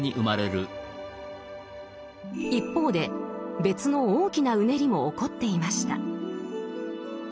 一方で別の大きなうねりも起こっていました。